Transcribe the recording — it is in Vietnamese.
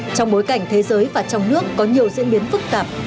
trong bối cảnh thế giới và trong nước có nhiều diễn biến phức tạp